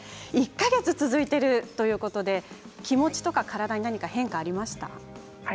１か月続いているということで気持ちとか体に何か変化はありましたか。